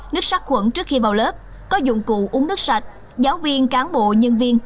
nước sát khuẩn trước khi vào lớp có dụng cụ uống nước sạch giáo viên cán bộ nhân viên